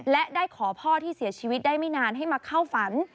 และได้ขอพ่อที่เสียชีวิตได้ไม่นานให้มาเข้าฝัน